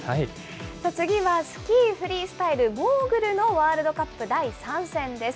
次はスキーフリースタイルモーグルのワールドカップ第３戦です。